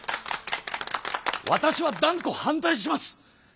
わたしは断固反対します！